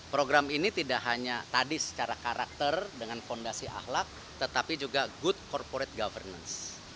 program ini tidak hanya tadi secara karakter dengan fondasi ahlak tetapi juga good corporate governance